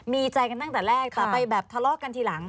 มีใจกันตั้งแต่แรกแต่ไปแบบทะเลาะกันทีหลัง